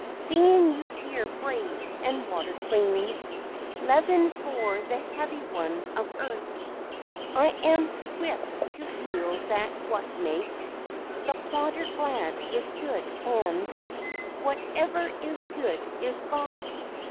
Seeing you here brave and water clean, Leaven for the heavy ones of earth, I am swift to feel that what makes The plodder glad is good; and Whatever is good is God.